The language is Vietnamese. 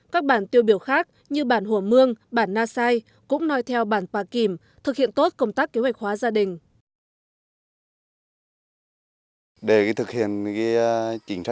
các bản tiêu biểu khác như bản hồ mương bản na sai cũng nói theo bản pà kìm thực hiện tốt công tác kế hoạch hóa gia đình